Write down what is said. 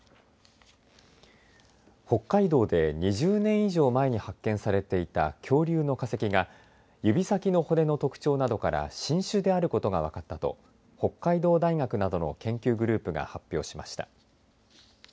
北海道で２０年以上前に発見されていた恐竜の化石が指先の骨の特徴などから新種であることが分かったと北海道大学などの研究グループが発表しました。